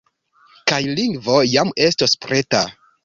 Kaj lingvo jam estos preta.